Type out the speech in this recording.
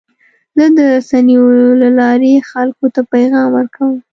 زه د رسنیو له لارې خلکو ته پیغام ورکوم.